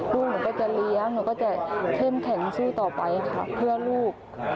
ลูกหนูก็จะเลี้ยงหนูก็จะเข้มแข็งสู้ต่อไปค่ะเพื่อลูก